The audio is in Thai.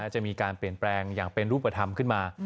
จะมีการเปลี่ยนแปลงอย่างเป็นรูปธรรมขึ้นมา